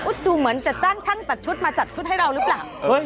ดูเหมือนจะจ้างช่างตัดชุดมาจัดชุดให้เราหรือเปล่า